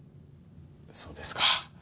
そうですか。